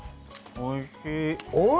おいしい！